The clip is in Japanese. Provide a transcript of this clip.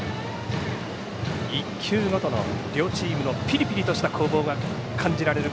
１球ごとの両チームのピリピリとした攻防が感じられる